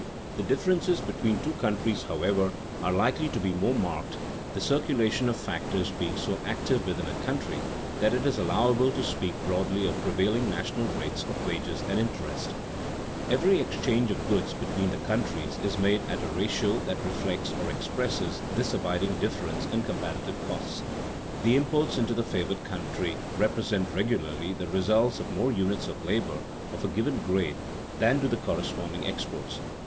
The differences between two countries, however, are likely to be more marked, the circulation of factors being so active within a country that it is allowable to speak broadly of prevailing national rates of wages and of interest. [Sidenote: The ratio of international demand defined] Every exchange of goods between the countries is made at a ratio that reflects, or expresses, this abiding difference in comparative costs. The imports into the favored country represent regularly the results of more units of labor of a given grade than do the corresponding exports.